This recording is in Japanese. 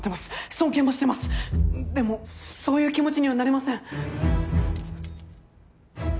尊敬もしてますでもそういう気持ちにはなれません。